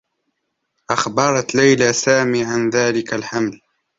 أخبرت ليلى سامي عن ذلك الحمل.